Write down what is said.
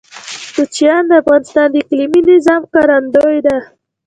کوچیان د افغانستان د اقلیمي نظام ښکارندوی ده.